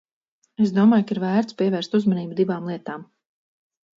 Es domāju, ka ir vērts pievērst uzmanību divām lietām.